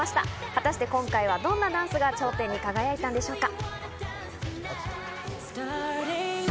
果たして今回はどんなダンスが頂点に輝いたのでしょうか？